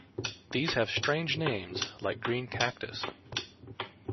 These have strange names like Green Cactus.